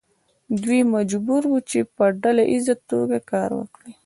دوی مجبور وو چې په ډله ایزه توګه کار وکړي.